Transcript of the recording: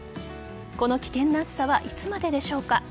この危険な暑さはいつまででしょうか。